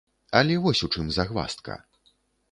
Але вось у чым загваздка.